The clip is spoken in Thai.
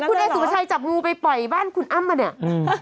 คุณเอสูงพะชัยจับงูไปไฟบ้านคุณอำว่าเนี้ย